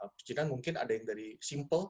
percikan mungkin ada yang dari simple